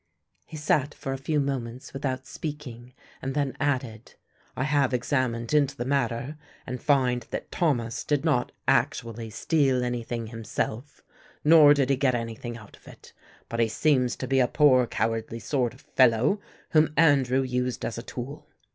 He sat for a few moments without speaking, and then added, "I have examined into the matter and find that Thomas did not actually steal anything himself, nor did he get anything out of it; but he seems to be a poor cowardly sort of fellow whom Andrew used as a tool.